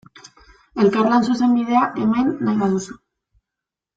Elkarlan zuzenbidea, hemen, nahi baduzu.